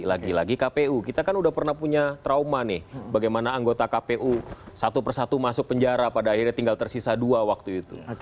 lagi lagi kpu kita kan udah pernah punya trauma nih bagaimana anggota kpu satu persatu masuk penjara pada akhirnya tinggal tersisa dua waktu itu